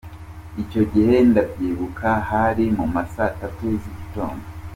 Icyo gihe ndabyibuka hari mu masaa tatu z’igitondo ».